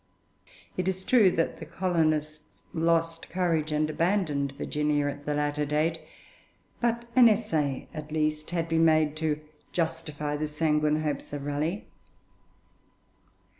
It is true that the colonists lost courage and abandoned Virginia at the latter date, but an essay at least had been made to justify the sanguine hopes of Raleigh.